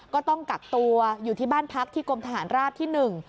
ก็ต้องกักตัวอยู่ที่บ้านพักที่กรมทหารราบที่หนึ่ง